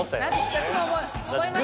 私も思いました。